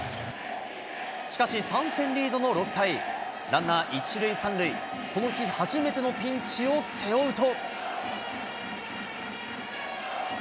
しかし３点リードの６回、ランナー１塁３塁、この日、初めてのピンチを背負うと。